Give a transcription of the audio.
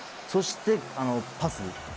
そしてパス。